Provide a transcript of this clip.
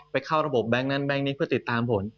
เข้าระบบแบงค์นั้นแก๊งนี้เพื่อติดตามผล